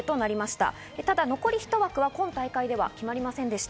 ただ残り１枠は今大会では決まりませんでした。